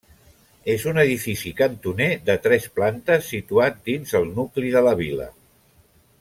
És un edifici cantoner de tres plantes situat dins el nucli de la vila.